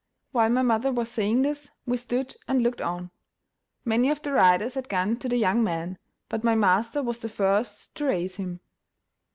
While my mother was saying this, we stood and looked on. Many of the riders had gone to the young man; but my master was the first to raise him.